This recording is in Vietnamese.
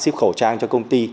ship khẩu trang cho công ty